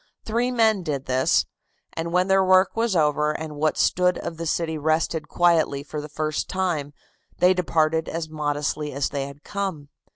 Three men did this, and when their work was over and what stood of the city rested quietly for the first time, they departed as modestly as they had come.